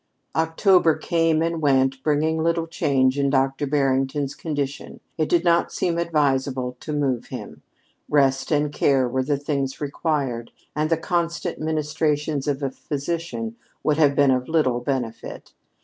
October came and went bringing little change in Dr. Barrington's condition. It did not seem advisable to move him. Rest and care were the things required; and the constant ministrations of a physician would have been of little benefit.